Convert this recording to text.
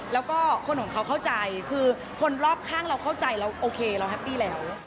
แล้วก็คนของเขาเข้าใจคือคนรอบข้างเราเข้าใจเราโอเคเราแฮปปี้แล้ว